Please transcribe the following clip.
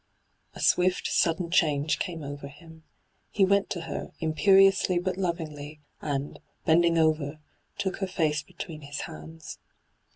A swifb, sudden chaise came over him. He went to her, imperiously but lovingly, and, bending over, took her face between his hands.